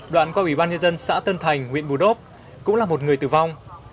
đoạn qua ủy ban nhân dân xã tân thành nguyễn bù đốc cũng là một người tử vong